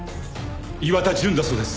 岩田純だそうです。